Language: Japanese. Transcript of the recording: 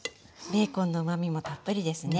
ベーコンのうまみもたっぷりですね。